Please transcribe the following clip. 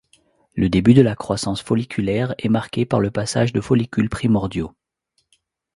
Le début de la croissance folliculaire est marquée par le passage de follicule primordiaux.